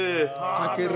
たける！